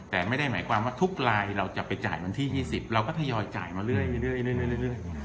แต่ไม่ได้หมายความว่าทุกรายเราจะไปจ่ายวันที่ยี่สิบเราก็ทยอยจ่ายมาเรื่อยเรื่อยเรื่อยเรื่อย